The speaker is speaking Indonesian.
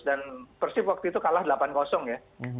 dan persib waktu itu kalah delapan ya